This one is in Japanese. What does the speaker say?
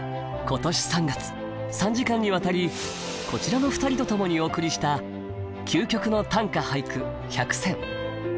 今年３月３時間にわたりこちらの２人と共にお送りした「究極の短歌・俳句１００選」。